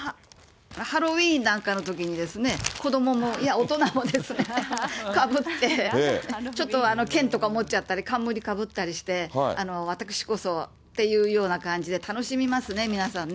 ハロウィーンなんかのときに、子どもも、いや、大人もですね、かぶって、ちょっと剣とかを持っちゃったり、冠かぶって、私こそっていうような感じで、楽しみますね、皆さんね。